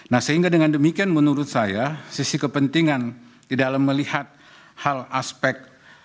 nah sehingga dengan demikian menurut saya sisi kepentingan di dalam melihat hal aspek